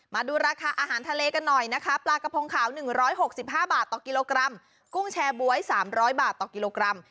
มาดูราคาอาหารทะเลกันหน่อยนะคะปลากระพงขาวหนึ่งร้อยหกสิบห้าบาทต่อกิโลกรัมกุ้งแชร์บวยสามร้อยบาทต่อกิโลกรัม